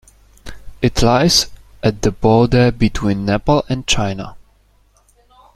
It lies at the border between Nepal and China.